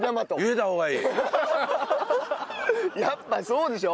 やっぱそうでしょ？